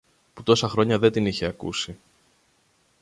που τόσα χρόνια δεν την είχε ακούσει.